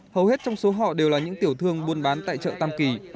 hầu hết trong số họ đều là những tiểu thương buôn bán tại chợ tam kỳ